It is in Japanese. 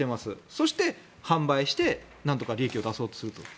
そして販売してなんとか利益を出そうとすると。